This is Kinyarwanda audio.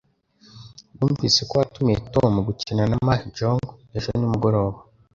Numvise ko watumiye Tom gukina na mahjong ejo nimugoroba